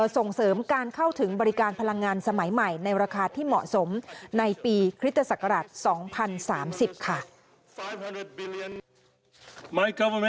ส่งเสริมการเข้าถึงบริการพลังงานสมัยใหม่ในราคาที่เหมาะสมในปีคริสตศักราช๒๐๓๐ค่ะ